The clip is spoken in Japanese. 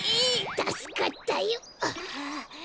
たすかったよ。